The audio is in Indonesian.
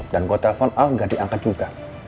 dan gue telpon al gak diangkat juga